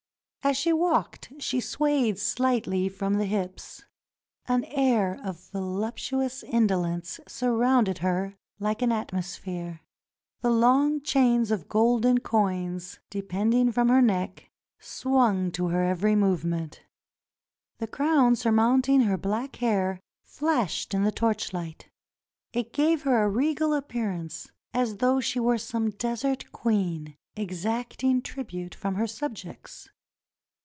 As she walked she swayed slightly from the hips. An air of voluptuous indolence surrounded her like an atmos phere. The long chains of golden coins depending from her neck swung to her every movement. The crown sur mounting her black hair flashed in the torchlight; it gave her a regal appearance, as though she were some desert queen exacting tribute from her subjects.